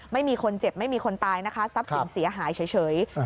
ไม่มีคนเจ็บไม่มีคนตายนะคะทรัพย์สินเสียหายเฉย